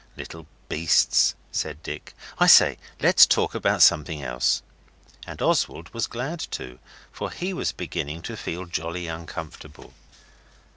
'Little beasts!' said Dick. 'I say, let's talk about something else.' And Oswald was glad to, for he was beginning to feel jolly uncomfortable.